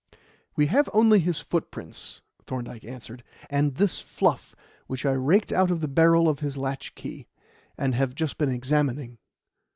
"We have only his footprints," Thorndyke answered, "and this fluff which I raked out of the barrel of his latchkey, and have just been examining.